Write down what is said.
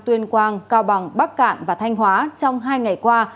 tuyên quang cao bằng bắc cạn và thanh hóa trong hai ngày qua